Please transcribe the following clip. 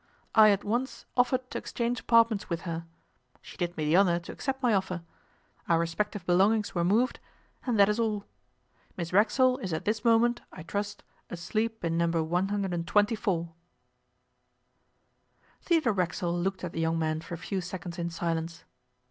I at once offered to exchange apartments with her. She did me the honour to accept my offer. Our respective belongings were moved and that is all. Miss Racksole is at this moment, I trust, asleep in No. 124.' Theodore Racksole looked at the young man for a few seconds in silence.